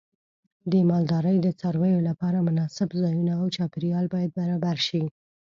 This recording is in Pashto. د مالدارۍ د څارویو لپاره مناسب ځایونه او چاپیریال باید برابر شي.